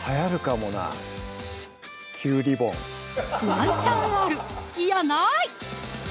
ワンチャンあるいやない！